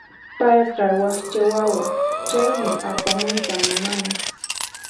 Payqa wakcha wawa, chaymi apamuyta munani.